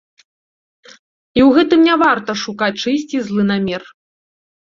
І ў гэтым не варта шукаць чыйсьці злы намер.